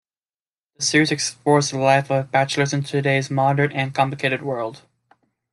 The series explores the life of bachelors in today's modern and complicated world.